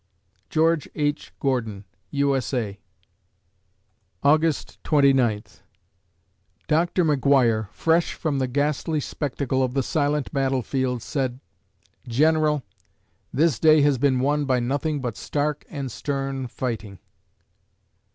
GEORGE H. GORDON, U. S. A. August Twenty Ninth Doctor McGuire, fresh from the ghastly spectacle of the silent battle field said: "General, this day has been won by nothing but stark and stern fighting."